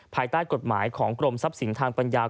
ภายใต้กฎหมายของกรมทรัพย์สินทางปัญญา